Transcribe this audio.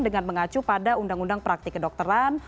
dengan mengacu pada undang undang praktik kedokteran